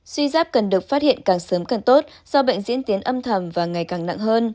suy giáp cần được phát hiện càng sớm càng tốt do bệnh diễn tiến âm thầm và ngày càng nặng hơn